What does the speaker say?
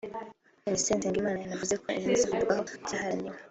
Minisitiri Nsengimana yanavuze ko ibimaze kugerwaho byaharaniwe